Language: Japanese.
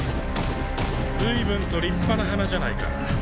随分と立派な鼻じゃないか。